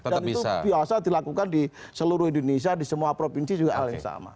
dan itu biasa dilakukan di seluruh indonesia di semua provinsi juga hal yang sama